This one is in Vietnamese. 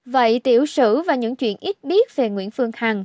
vậy tiểu sử và những chuyện ít biết về nguyễn phương hằng